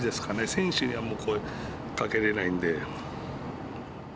選手には声かけれないんで。